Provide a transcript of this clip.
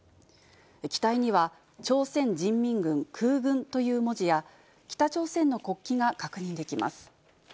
機体には、朝鮮人民軍空軍という文字や、北朝鮮の国旗が確認できます。